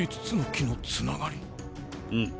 うん。